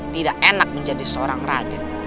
tidak enak menjadi seorang raden